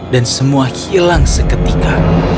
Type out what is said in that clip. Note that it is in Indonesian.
dan semua hilang seketika